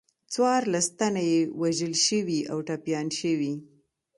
څوارلس تنه یې وژل شوي او ټپیان شوي.